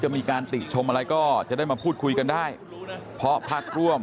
มีการติชมอะไรก็จะได้มาพูดคุยกันได้เพราะพักร่วม